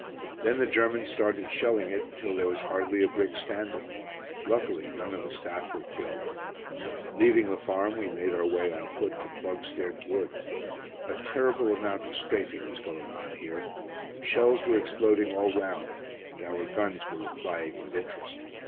Then the Germans started shelling it until there was hardly a brick standing. Luckily none of the staff were killed. Leaving the farm, we made our way on foot to Ploegsteert Wood. A terrible amount of "strafing" was going on here. Shells were exploding all round, and our guns were replying with "interest."